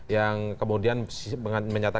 yang kemudian menyatakan siap berpengalaman